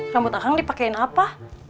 rambut akang dipakein apa